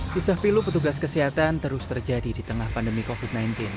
kisah pilu petugas kesehatan terus terjadi di tengah pandemi covid sembilan belas